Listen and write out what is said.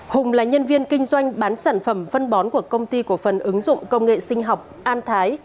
hùng là nhân viên kinh doanh bán sản phẩm phân bón của công ty cổ phần ứng dụng công nghệ sinh học an thái